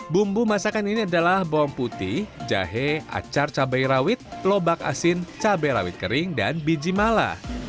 bumbu masakan ini adalah bawang putih jahe acar cabai rawit lobak asin cabai rawit kering dan biji mala